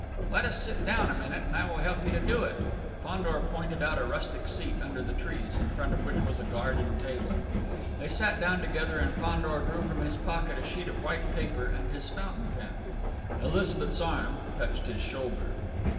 "Let us sit down a minute and I will help you to do it!" Fandor pointed out a rustic seat, under the trees, in front of which was a garden table. They sat down together and Fandor drew from his pocket a sheet of white paper and his fountain pen. Elizabeth's arm touched his shoulder.